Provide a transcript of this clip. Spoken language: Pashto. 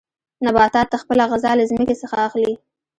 نباتات خپله غذا له ځمکې څخه اخلي.